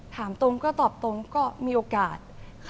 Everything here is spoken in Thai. ถามตรงก็ตอบตรงก็มีโอกาส